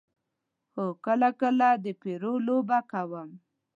هو، کله کله د پرو لوبه کوم